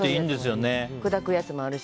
砕くやつもあるし。